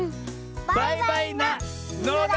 バイバイなのだ！